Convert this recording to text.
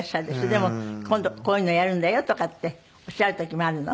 でも「今度こういうのやるんだよ」とかっておっしゃる時もあるの？